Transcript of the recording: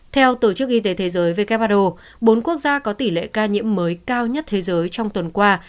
theo tổ chức y tế thế giới who bốn quốc gia có tỷ lệ ca nhiễm mới cao nhất thế giới trong tuần qua